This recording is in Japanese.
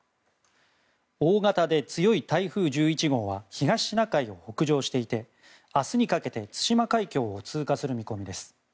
大型で強い台風１１号は東シナ海を北上していて明日にかけて対馬海峡を通過する見込みです。